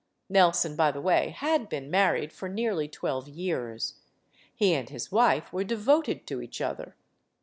Nelson, by the way, had been married for nearly twelve years. He and his wife were devoted to each other.